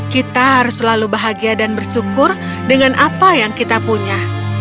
kita harus selalu bahagia dan bersyukur dengan apa yang kita punya